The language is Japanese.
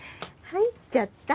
入っちゃった。